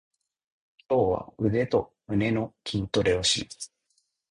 今日は腕と胸の筋トレをします。